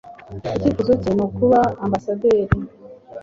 Icyifuzo cye ni ukuba ambasaderi.